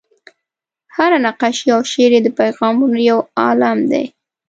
هره نقاشي او شعر یې د پیغامونو یو عالم دی.